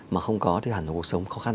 mà không có thì hẳn là cuộc sống khó khăn